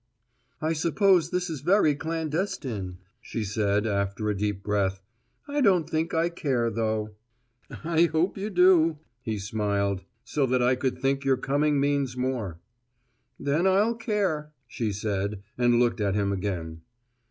"I suppose this is very clandestine," she said, after a deep breath. "I don't think I care, though." "I hope you do," he smiled, "so that I could think your coming means more." "Then I'll care," she said, and looked at him again.